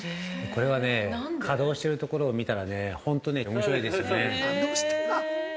◆これはね、稼働してるところを見たら、おもしろいですよね。